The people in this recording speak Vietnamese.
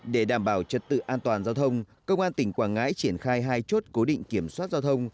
để đảm bảo trật tự an toàn giao thông công an tỉnh quảng ngãi triển khai hai chốt cố định kiểm soát giao thông